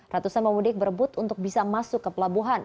ratusan pemudik berebut untuk bisa masuk ke pelabuhan